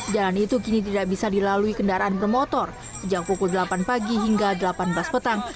jalan itu kini tidak bisa dilalui kendaraan bermotor sejak pukul delapan pagi hingga delapan belas petang